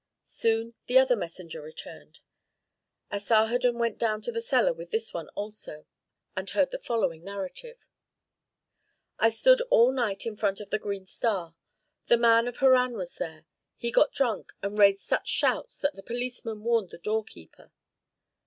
Soon the other messenger returned. Asarhadon went down to the cellar with this one also, and heard the following narrative, "I stood all night in front of the 'Green Star.' The man of Harran was there; he got drunk and raised such shouts that the policeman warned the doorkeeper."